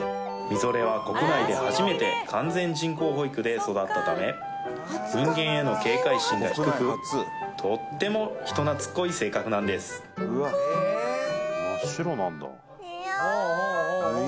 ミゾレは国内で初めて完全人工哺育で育ったため人間への警戒心が低くとっても人懐っこい性格なんです真っ白なんだいや